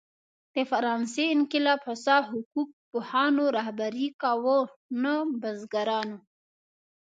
د فرانسې انقلاب هوسا حقوق پوهانو رهبري کاوه، نه بزګرانو.